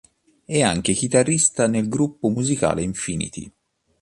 È anche chitarrista nel gruppo musicale Infinity.